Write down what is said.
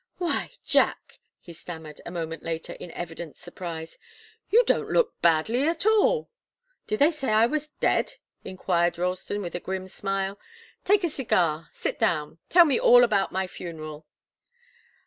"Why Jack " he stammered a moment later, in evident surprise. "You don't look badly at all!" "Did they say I was dead?" enquired Ralston, with a grim smile. "Take a cigar. Sit down. Tell me all about my funeral."